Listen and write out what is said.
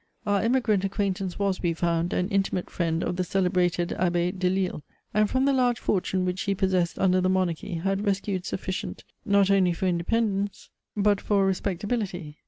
Our emigrant acquaintance was, we found, an intimate friend of the celebrated Abbe de Lisle: and from the large fortune which he possessed under the monarchy, had rescued sufficient not only for independence, but for respectability.